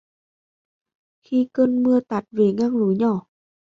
Khi cơn mưa tạt về ngang lối nhỏ